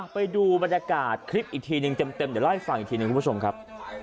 ไปดูบรรยากาศคลิปอีกทีหนึ่งเต็มเดี๋ยวเล่าให้ฟังอีกทีหนึ่งคุณผู้ชมครับ